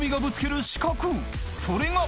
［それが］